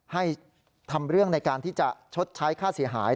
ให้ทำเรื่องในการที่จะชดใช้ค่าเสียหาย